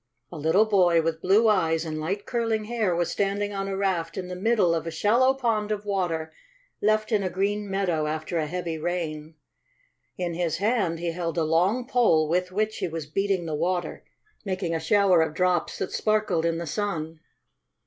A little boy with blue eyes and light, curling hair was standing on a raft in the middle of a shallow pond of water left in a green meadow after a heavy rain. In his hand he held a long pole with which he was beating the water, making a shower of drops that sparkled in the sun.